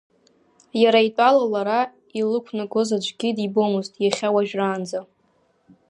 Иара итәала лара илықәнагоз аӡәгьы дибомызт иахьа уажәраанӡа.